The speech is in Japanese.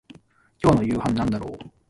今日の夕飯なんだろう